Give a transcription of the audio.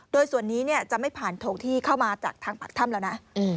โดยส่วนนี้จะไม่ผ่านโถงที่เข้ามาจากทางปากถ้ำแล้วนะ